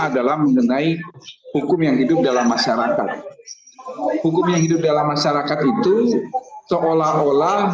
adalah mengenai hukum yang hidup dalam masyarakat hukum yang hidup dalam masyarakat itu seolah olah